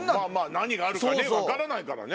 何があるか分からないからね。